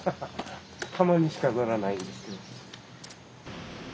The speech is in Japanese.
たまにしか乗らないんですけど。